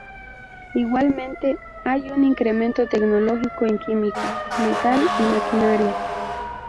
Igualmente, hay un incremento tecnológico en química, metal y maquinaria.